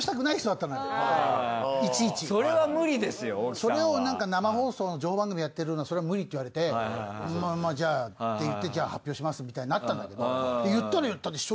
それを生放送の情報番組やってるのにそれは無理って言われて「じゃあ」って言って「じゃあ発表します」みたいになったんだけど。